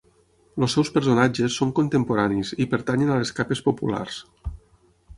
Els seus personatges són contemporanis i pertanyen a les capes populars.